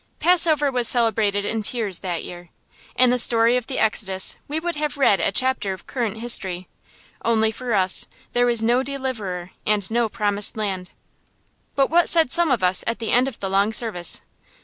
Passover was celebrated in tears that year. In the story of the Exodus we would have read a chapter of current history, only for us there was no deliverer and no promised land. But what said some of us at the end of the long service?